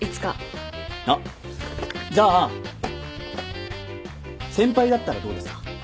あっじゃあ先輩だったらどうですか？